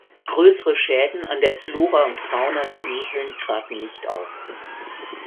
Größere Schäden an der Flora und Fauna der Inseln traten nicht auf.